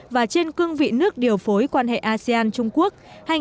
và trên cương vị nước điều phối quan hệ asean trung quốc hai nghìn một mươi năm hai nghìn một mươi tám